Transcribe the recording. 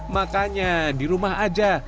makanya di rumah aja